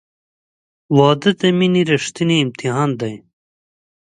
• واده د مینې ریښتینی امتحان دی.